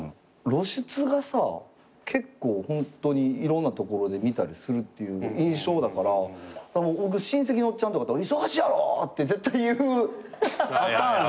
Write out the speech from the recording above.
露出がさ結構ホントにいろんなところで見たりするっていう印象だから親戚のおっちゃんとかと「忙しいやろ」って絶対言う。